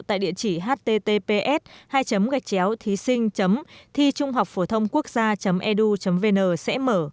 tại địa chỉ https hai gachcheo thising thichunghocphothongcuocsa edu vn sẽ mở